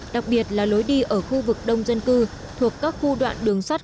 đặc biệt là lối đi ở khu vực đông dân cư thuộc các khu đoạn đường sắt